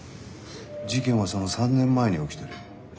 事件はその３年前に起きてる。